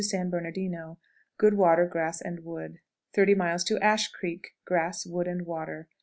San Bernardino. Good water, grass, and wood. 30.00. Ash Creek. Grass, wood, and water.